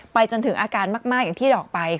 จนถึงอาการมากอย่างที่บอกไป